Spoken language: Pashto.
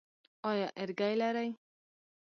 ایا اریګی لرئ؟